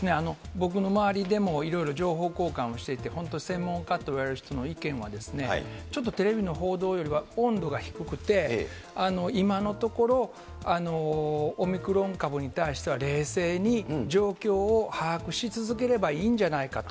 僕の周りでもいろいろ情報交換をしていて、本当、専門家といわれる方の意見はちょっとテレビの報道よりは温度が低くて、今のところ、オミクロン株に対しては冷静に状況を把握し続ければいいんじゃないかと。